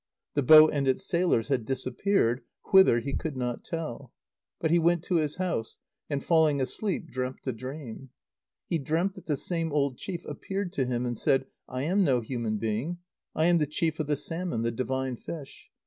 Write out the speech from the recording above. The boat and its sailors had disappeared whither he could not tell. But he went to his house, and, falling asleep, dreamt a dream. He dreamt that the same old chief appeared to him and said: "I am no human being. I am the chief of the salmon, the divine fish.